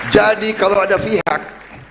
jadi kalau ada pihak